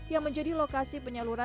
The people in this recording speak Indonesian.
yang menjadi lokasi penyelenggaraan